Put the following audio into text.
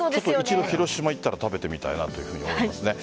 一度、広島行ったら食べてみたいと思います。